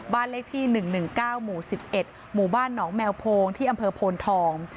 บ้านเลขที่๑๑๙หมู่๑๑หมู่บ้านหนองแมวโพงที่อำเภอโพนทอง